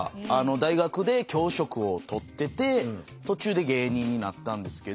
大学で教職を取ってて途中で芸人になったんですけど。